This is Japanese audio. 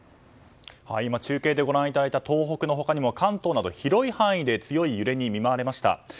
中継でご覧いただいた東北の他にも関東など、広い範囲で強い揺れに見舞われました。